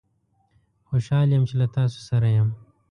خوشحال یم چې له تاسوسره یم